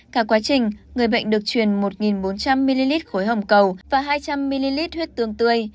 cả quá trình người bệnh được truyền một bốn trăm linh ml khối hồng cầu và hai trăm linh ml huyết tương tươi